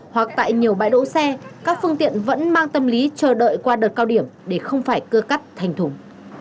hoặc tại nhiều bãi đỗ xe các phương tiện vẫn mang tâm lý chờ đợi qua đợt cao điểm để không phải cưa cắt thành thùng